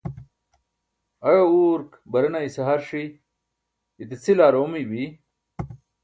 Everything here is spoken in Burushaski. aẏa urk barena ise har ṣi, ite cʰil aar oomiy bi